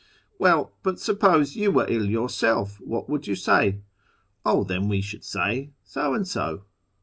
' Well, but suppose you were ill yourself what would you siy ?"" Oh, then we should say so and so."